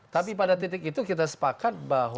tapi pada titik itu kita sepakat bahwa